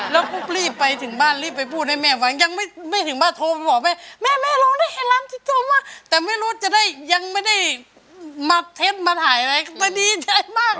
แล้วก็รีบไปถึงบ้านรีบไปพูดให้แม่ฟังยังไม่ถึงบ้านโทรไปบอกแม่แม่แม่ร้องได้ให้ร้านที่โทรมากแต่ไม่รู้จะได้ยังไม่ได้ยังไม่ได้มาเท็จมาถ่ายไหมก็ดีใจมาก